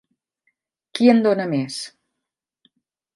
Qui en dóna més?